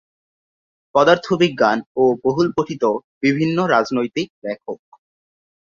পদার্থ বিজ্ঞান ও বহুল পঠিত বিভিন্ন রাজনৈতিক লেখক।